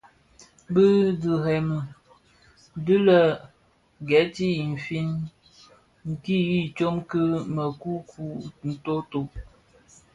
Bè dhëňrëňi dii di lè geeti in nfin kidhi tsom ki měkukuu, ntooto.